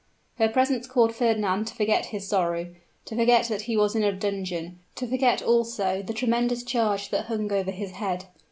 Her presence caused Fernand to forget his sorrow to forget that he was in a dungeon to forget, also, the tremendous charge that hung over his head.